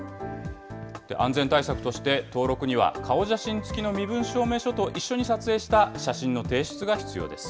安全対策として、登録には顔写真付きの身分証明書と一緒に撮影した写真の提出が必要です。